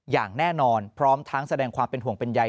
อย่างแน่นอนพร้อมทั้งแสดงความเป็นห่วงเป็นใย